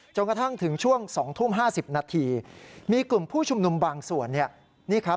จนกระทั่งถึงช่วง๒ทุ่ม๕๐นาทีมีกลุ่มผู้ชุมนุมบางส่วน